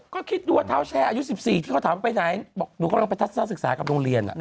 ก็คิดดูว่าเท้าแชร์อายุ๑๔ที่เขาถามไปไหนบอกหนูกำลังไปทัศนศึกษากับโรงเรียน